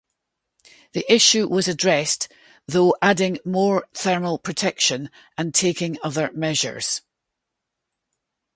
The issue was addressed though adding more thermal protection and taking other measures.